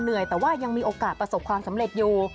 เหนื่อยแต่ว่ายังมีโอกาสประสบความสำเร็จอยู่